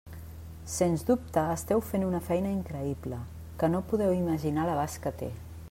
Sens dubte, esteu fent una feina increïble que no podeu imaginar l'abast que té.